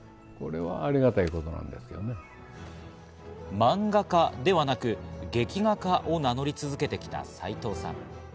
漫画家ではなく、劇画家を名乗り続けてきた、さいとうさん。